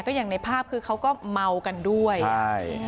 อย่างในภาพคือเขาก็เมากันด้วยใช่